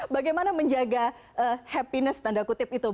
bagaimana menjaga happiness tanda kutip itu